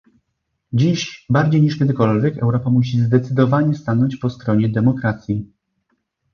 Dziś bardziej niż kiedykolwiek Europa musi zdecydowanie stanąć po stronie demokracji